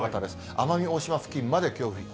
奄美大島付近まで強風域。